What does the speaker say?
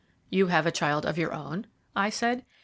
"You have a child of your own?" I said.